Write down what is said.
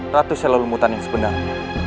ratu selalu mutan yang sebenarnya